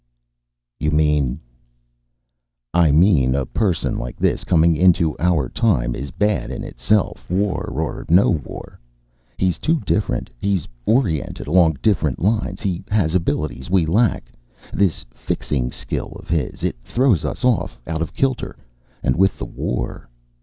"You mean " "I mean a person like this coming into our own time is bad in itself, war or no war. He's too different. He's oriented along different lines. He has abilities we lack. This fixing skill of his. It throws us off, out of kilter. And with the war....